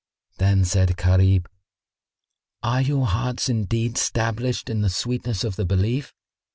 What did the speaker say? Then said Gharib, "Are your hearts indeed stablished in the sweetness of the Belief?"